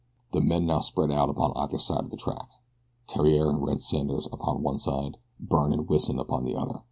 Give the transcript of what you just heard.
The men now spread out upon either side of the track Theriere and Red Sanders upon one side, Byrne and Wison upon the other.